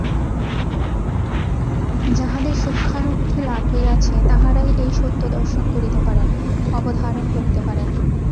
যাঁহাদের সূক্ষ্মানুভূতি লাভ হইয়াছে, তাঁহারাই এই সত্যদর্শন করিতে পারেন, অবধারণ করিতে পারেন।